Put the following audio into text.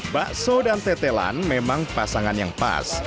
bakso dan tetelan memang pasangan yang pas